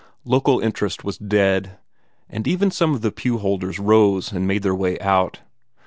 Local interest was dead; and even some of the pewholders rose and made their way out.